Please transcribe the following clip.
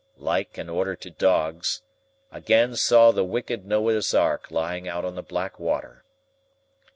like and order to dogs,—again saw the wicked Noah's Ark lying out on the black water.